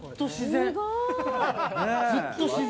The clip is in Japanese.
ずっと自然。